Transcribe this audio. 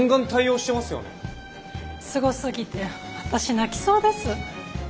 すごすぎて私泣きそうです。